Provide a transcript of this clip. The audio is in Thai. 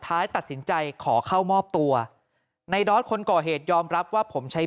ตัดสินใจขอเข้ามอบตัวในดอสคนก่อเหตุยอมรับว่าผมใช้